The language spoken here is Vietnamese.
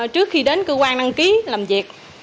trước khi đến cơ quan đăng ký làm việc